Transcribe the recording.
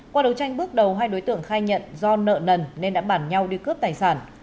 qua đấu tranh bước đầu hai đối tượng khai nhận do nợ nần nên đã bản nhau đi cướp tài sản